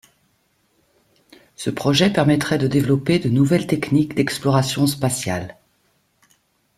Ce projet permettrait de développer de nouvelles techniques d’exploration spatiales.